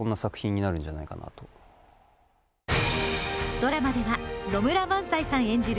ドラマでは野村萬斎さん演じる